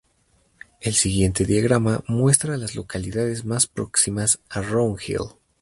El siguiente diagrama muestra a las localidades más próximas a Round Hill.